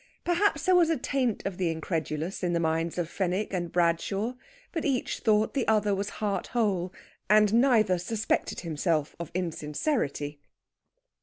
Perhaps there was a taint of the incredulous in the minds of Fenwick and Bradshaw. But each thought the other was heart whole, and neither suspected himself of insincerity.